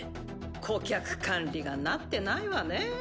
顧客管理がなってないわねぇ。